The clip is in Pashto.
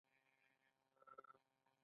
دا هغه جریان دی چې حل لاره ټاکي.